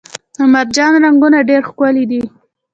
د مرجان رنګونه ډیر ښکلي دي